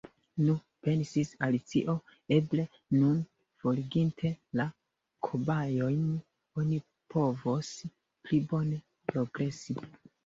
"Nu," pensis Alicio, "eble nun, foriginte la kobajojn, oni povos pli bone progresi."